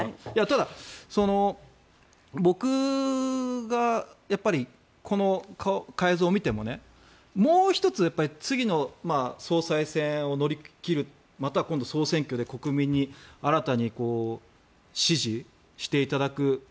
ただ、僕がこの改造を見てもねもう１つ、次の総裁選を乗り切るまたは今度、総選挙で国民に新たに支持していただく。